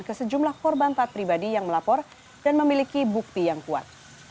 ke sejumlah korban taat pribadi yang melapor dan memiliki bukti yang kuat